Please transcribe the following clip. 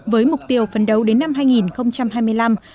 với mục tiêu phấn đấu đến năm hai nghìn hai mươi năm